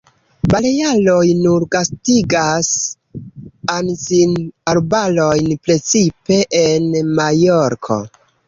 Balearoj nur gastigas anzin-arbarojn, precipe en Majorko.